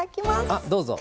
あどうぞ。